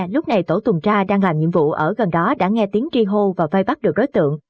lúc này tổ tuần tra đang làm nhiệm vụ ở gần đó đã nghe tiếng tri hô và vây bắt được đối tượng